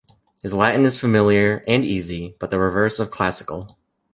His Latin is familiar and easy, but the reverse of classical.